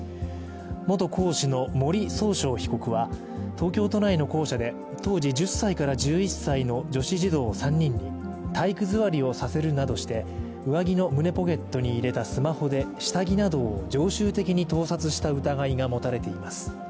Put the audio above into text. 元講師の森崇翔被告は東京都内の校舎で当時１０歳から１１歳の女子児童３人に体育座りをさせるなどして上着の胸ポケットに入れたスマホで下着などを常習的に盗撮した疑いが持たれています。